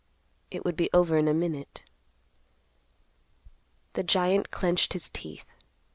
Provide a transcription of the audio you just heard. It would be over in a minute. The giant clenched his teeth.